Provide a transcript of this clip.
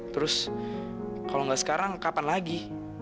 terus kalau nggak sekarang kapan lagi